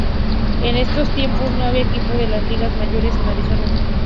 En esos tiempos no había equipo de las Ligas Mayores en Arizona.